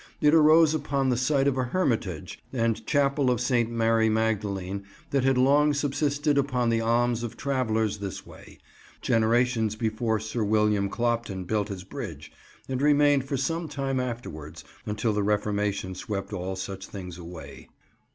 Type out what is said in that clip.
It arose upon the site of a hermitage and Chapel of St. Mary Magdalene that had long subsisted upon the alms of travellers this way, generations before Sir William Clopton built his bridge, and remained for some time afterwards, until the Reformation swept all such things away.